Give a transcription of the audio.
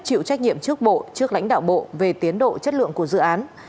chịu trách nhiệm trước bộ trước lãnh đạo bộ về tiến độ chất lượng của dự án